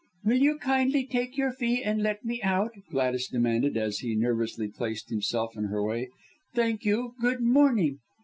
"Will you kindly take your fee and let me out," Gladys demanded, as he nervously placed himself in her way. "Thank you. Good morning!"